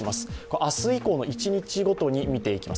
明日以降の一日ごとに見ていきます。